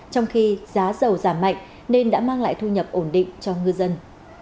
trong khi giá dầu giảm mạnh nên đã mang lại thu nhập ổn định cho ngư dân